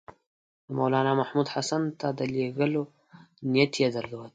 د مولنامحمود حسن ته د لېږلو نیت یې درلود.